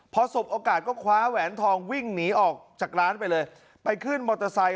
พอสบโอกาสก็คว้าแหวนทองวิ่งหนีออกจากร้านไปเลยไปขึ้นมอเตอร์ไซค